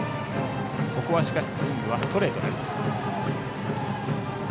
ここはしかしスイングはストレートです。